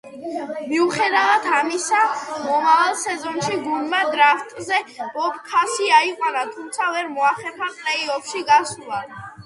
მიუხედავად ამისა, მომავალ სეზონში გუნდმა დრაფტზე ბობ ქასი აიყვანა, თუმცა ვერ მოახერხა პლეი-ოფში გასვლა.